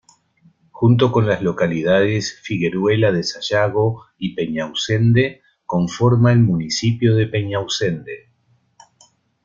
Junto con las localidades Figueruela de Sayago y Peñausende, conforma el municipio de Peñausende.